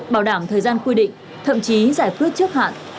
bảo đảm thời gian quy định thậm chí giải quyết trước hạn